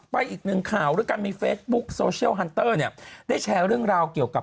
อีกหนึ่งข่าวด้วยกันมีเฟซบุ๊คโซเชียลฮันเตอร์เนี่ยได้แชร์เรื่องราวเกี่ยวกับ